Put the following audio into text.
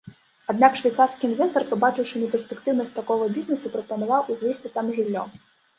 Аднак швейцарскі інвестар, пабачыўшы неперспектыўнасць такога бізнэсу, прапанаваў узвесці там жыллё.